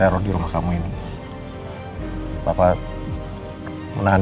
apa sisi udah sembar di keaponiem